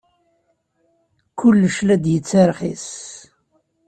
Kullec la d-yettirxis.